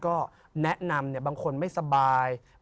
พระพุทธพิบูรณ์ท่านาภิรม